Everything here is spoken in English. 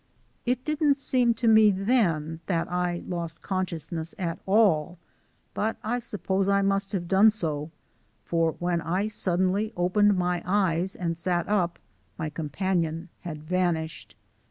It didn't seem to me then that I lost consciousness at all, but I suppose I must have done so, for when I suddenly opened my eyes and sat up my companion had vanished.